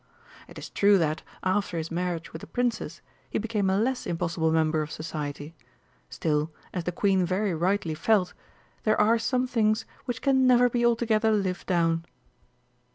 It is true that, after his marriage with a Princess, he became a less impossible member of Society still, as the Queen very rightly felt, there are some things which can never be altogether lived down.